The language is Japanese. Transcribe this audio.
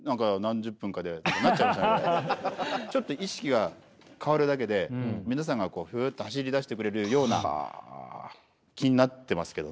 ちょっと意識が変わるだけで皆さんがふっと走り出してくれるような気になってますけどね。